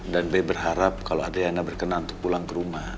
dan be berharap kalau adriana berkenan untuk pulang ke rumah